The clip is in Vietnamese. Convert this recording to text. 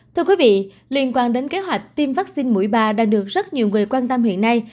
thưa quý vị liên quan đến kế hoạch tiêm vaccine mũi ba đang được rất nhiều người quan tâm hiện nay